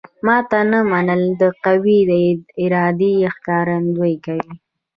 ماته نه منل د قوي ارادې ښکارندوی کوي